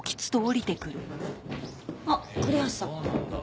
あっ栗橋さん。